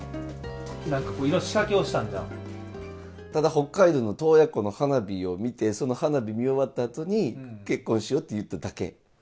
なんかいろいろ、ただ北海道の洞爺湖の花火を見て、その花火見終わったあとに、結婚しようって言っただけ。